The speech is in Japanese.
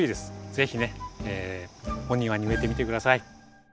是非ねお庭に植えてみて下さい。